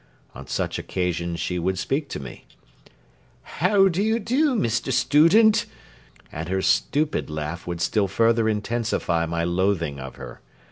On such occasions she would speak to me. "How d'ye do, Mr. Student!" and her stupid laugh would still further intensify my loathing of her.